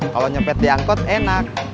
kalau nyopet diangkut enak